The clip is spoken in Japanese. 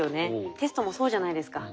テストもそうじゃないですか。